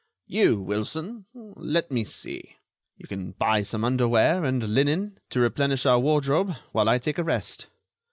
"You, Wilson—let me see! You can buy some underwear and linen to replenish our wardrobe, while I take a rest."